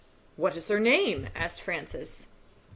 "What is her name?" asked Francis.